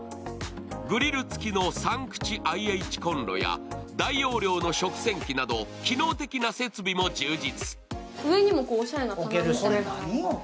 グリル付きの３口ＩＨコンロや大容量の食洗機など機能的な設備も充実。